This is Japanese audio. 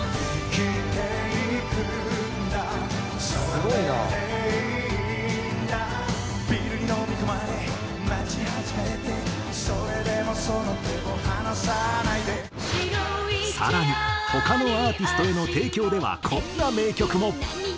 「すごいな」更に他のアーティストへの提供ではこんな名曲も。